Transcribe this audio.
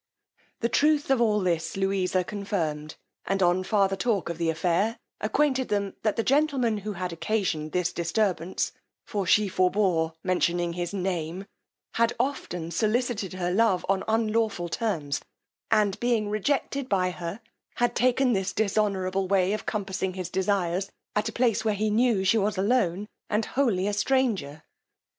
The truth of all this Louisa confirmed, and on farther talk of the affair, acquainted them, that the gentleman who had occasioned this disturbance, for she forbore mentioning his name, had often sollicited her love on unlawful terms, and being rejected by her, had taken this dishonourable way of compassing his desires, at a place where he knew she was alone, and wholly a stranger.